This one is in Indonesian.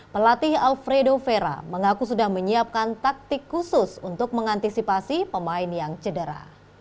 pelatih alfredo vera mengaku sudah menyiapkan taktik khusus untuk mengantisipasi pemain yang cedera